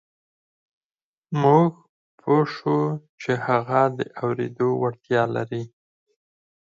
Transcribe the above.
موږ پوه شوو چې هغه د اورېدو وړتيا لري.